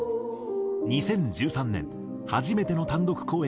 ２０１３年初めての単独公演を開催。